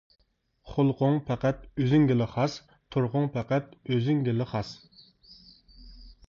خۇلقۇڭ پەقەت ئۆزۈڭگىلا خاس، تۇرقۇڭ پەقەت ئۆزۈڭگىلا خاس.